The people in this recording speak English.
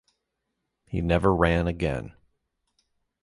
He never ran again.